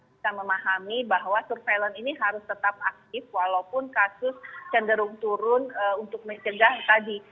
bisa memahami bahwa surveillance ini harus tetap aktif walaupun kasus cenderung turun untuk mencegah tadi